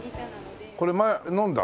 これ前飲んだ？